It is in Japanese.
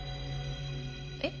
えっ？